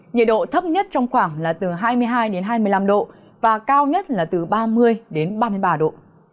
nhiệt độ thấp nhất trong khoảng là từ hai mươi hai đến hai mươi năm độ và cao nhất là từ ba mươi đến ba mươi ba độ